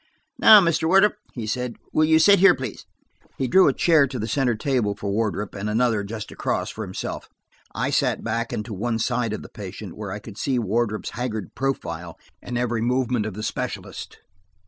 "Now, Mr. Wardrop," he said, "will you sit here, please?" He drew a chair to the center table for Wardrop, and another, just across for himself. I sat back and to one side of the patient, where I could see Wardrop's haggard profile and every movement of the specialist.